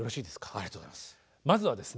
ありがとうございます。